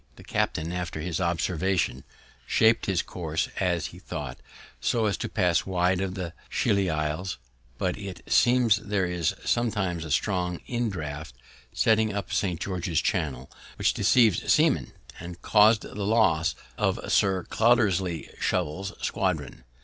The captain, after his observation, shap'd his course, as he thought, so as to pass wide of the Scilly Isles; but it seems there is sometimes a strong indraught setting up St. George's Channel, which deceives seamen and caused the loss of Sir Cloudesley Shovel's squadron.